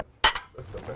masih sulit apa